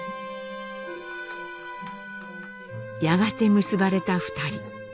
やがて結ばれた２人。